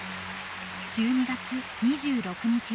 ［１２月２６日。